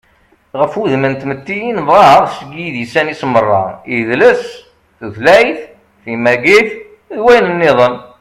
ɣef wudem n tmetti i nebɣa seg yidisan-is meṛṛa: idles, tutlayt, timagit, d wayen-nniḍen